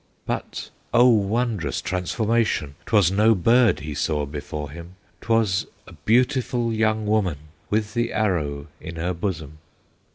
"But, O wondrous transformation! 'T was no bird he saw before him, 'T was a beautiful young woman, With the arrow in her bosom!